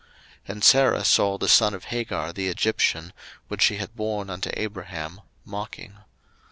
01:021:009 And Sarah saw the son of Hagar the Egyptian, which she had born unto Abraham, mocking.